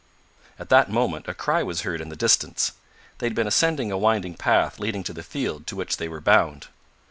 At that moment a cry was heard in the distance. They had been ascending a winding path leading to the field to which they were bound.